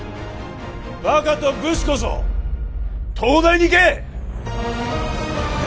バカとブスこそ東大に行け！